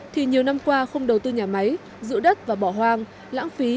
thì nhiều năm qua không đầu tư nhà máy giữ đất và bỏ hoang lãng phí